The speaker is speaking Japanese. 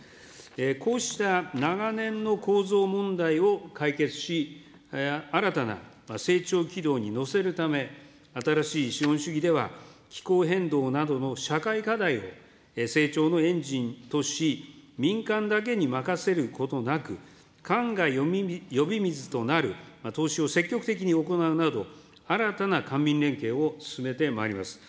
こうした長年の構造問題を解決し、新たな成長軌道に乗せるため、新しい資本主義では、気候変動などの社会課題を成長のエンジンとし、民間だけに任せることなく、官が呼び水となる投資を積極的に行うなど、新たな官民連携を進めてまいります。